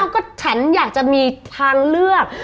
ก็ฉันอยากจะมีทางเลือก